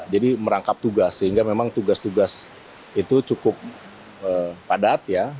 jadi merangkap tugas sehingga memang tugas tugas itu cukup padat ya